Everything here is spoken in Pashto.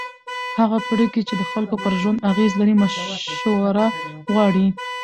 هغه پرېکړې چې د خلکو پر ژوند اغېز لري مشوره غواړي